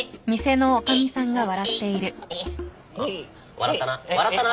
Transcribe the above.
笑ったな。